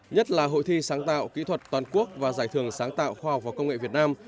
nhất là hội thi sáng tạo kỹ thuật toàn quốc và giải thưởng sáng tạo khoa học và công nghệ việt nam